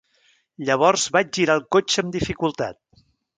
Llavors vaig girar el cotxe amb dificultat.